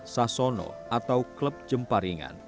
sasono atau klub jemparingan